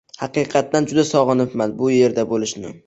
Haqiqatdan juda sog‘inibman bu yerda bo‘lishni.